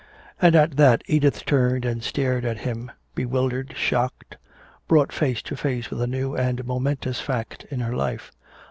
And at that Edith turned and stared at him, bewildered, shocked, brought face to face with a new and momentous fact in her life.